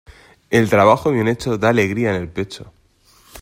El trabajo bien hecho da alegría en el pecho.